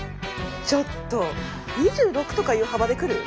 ちょっと２６とかいう幅で来る？